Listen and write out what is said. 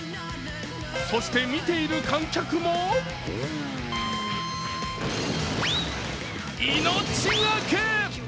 そして見ている観客も命懸け！